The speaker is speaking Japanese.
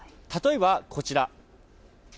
例えば、こちら。